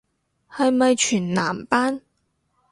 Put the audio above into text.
係咪全男班